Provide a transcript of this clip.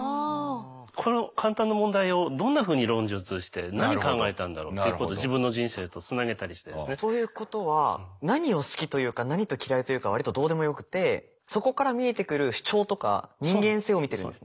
この簡単な問題をどんなふうに論述して何考えたんだろうっていうことを自分の人生とつなげたりしてですね。ということは何を好きというか何を嫌いかは割とどうでもよくてそこから見えてくる主張とか人間性を見てる。